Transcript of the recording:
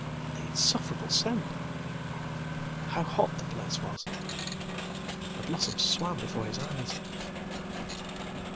And the insufferable scent! How hot theplace was! The blossoms swam before his eyes.